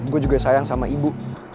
gue juga sayang sama ibu